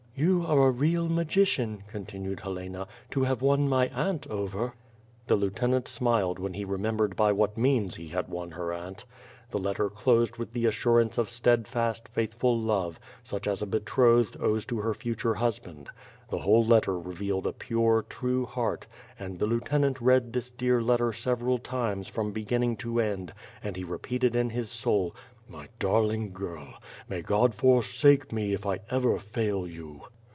"You are a real magician," continued Helena, "to have won my aunt over." The lieutenant smiled when he remembered by what means he had won her aunt. The letter closed with the assurance of stedfast, faithful love, such as a betrothed owes to her future husband. The whole letter revealed a pure, true heart; and the lieutenant read this dear letter several times from begin ning to end and he repeated in his soul, "My darling girl! May God forsake me if I ever fail you."